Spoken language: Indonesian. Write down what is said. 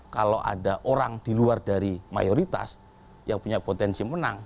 kalau ada orang di luar dari mayoritas yang punya potensi menang